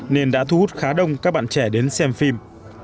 nên đã thu hút khá đông các bạn trẻ đến xem phim